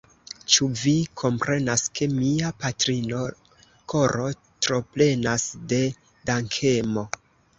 Ĉu vi komprenas ke mia patrino koro troplenas de dankemo?